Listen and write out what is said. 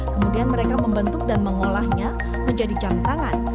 kemudian mereka membentuk dan mengolahnya menjadi jam tangan